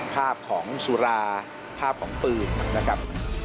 ภาพของสุราภาพของปืนนะครับ